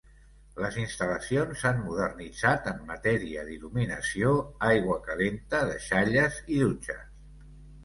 Les instal·lacions s'han modernitzat en matèria d'il·luminació, aigua calenta, deixalles i dutxes.